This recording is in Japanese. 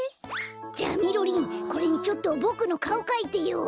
じゃみろりんこれにちょっとボクのかおかいてよ！